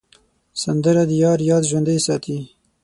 سندره د یار یاد ژوندی ساتي